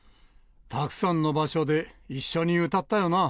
たくさんの場所で一緒に歌ったよな！